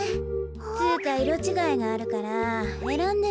つうかいろちがいがあるからえらんでみたら。